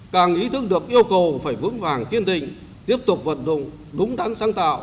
càng ý thức được yêu cầu phải vững vàng kiên định tiếp tục vận dụng đúng đắn sáng tạo